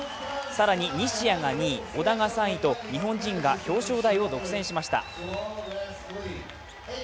更に西矢が２位、織田が３位と日本人が表彰台を独占しました。